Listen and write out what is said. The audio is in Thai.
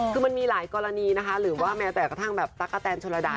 คือมันมีหลายกรณีนะคะหรือว่าแม้แต่กระทั่งแบบตั๊กกะแตนชนระดา